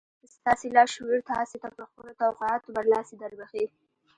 ستاسې لاشعور تاسې ته پر خپلو توقعاتو برلاسي دربښي.